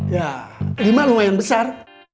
ya lima lumayan besar